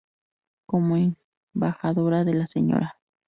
Como Embajadora, la Sra.